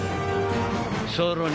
さらに